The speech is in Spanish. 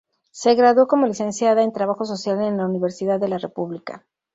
Se graduó como Licenciada en Trabajo Social en la Universidad de la República.